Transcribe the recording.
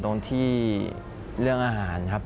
ตรงที่เรื่องอาหารครับ